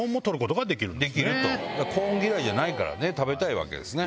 コーン嫌いじゃないからね食べたいわけですね。